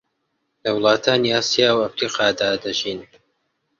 لە وڵاتانی ئاسیا و ئەفریقادا دەژین